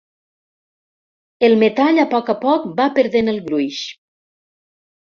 El metall a poc a poc va perdent el gruix.